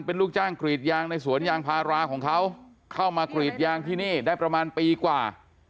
เป็นลูกจ้างกรีดยางในสวนยางพาราของเขาเข้ามากรีดยางที่นี่ได้ประมาณปีกว่า